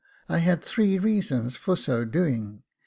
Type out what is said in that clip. I had three reasons for so doing.